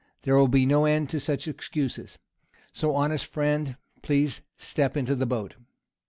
There will be no end of such excuses; so, honest friend, please step into the boat.